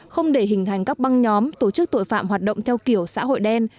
không để hình thành các băng nhóm tổ chức tội phạm hoạt động theo kiểu xã hội đen